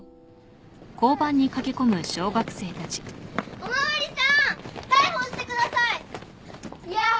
お巡りさん逮捕してください！ヤッホー！